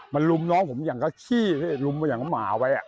มันรุมน้องผมอย่างน้องขี้เห้ยรุมอย่างหม่าว่ะ